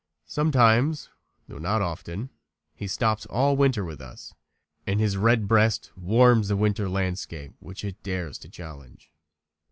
Sometimes, though not often, he stops all winter with us, and his red breast warms the winter landscape which it dares to challenge.